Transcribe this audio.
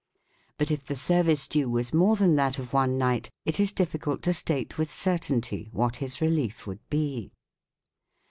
1 But if the service due was more than that of one knight, it is difficult to state with certainty what his relief would be.